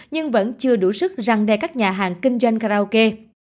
nhưng vẫn chưa đủ sức răng đe các nhà hàng kinh doanh karaoke